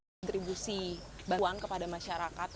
distribusi bantuan kepada masyarakat